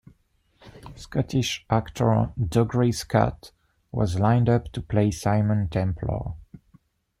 Scottish actor Dougray Scott was lined up to play Simon Templar.